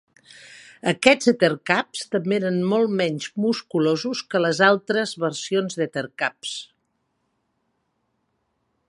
Aquests ettercaps també eren molt menys musculosos que les altres versions d'ettercaps.